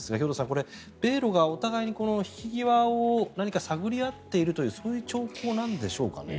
これ、米ロがお互いに引き際を何か探り合っているというそういう兆候なんでしょうかね。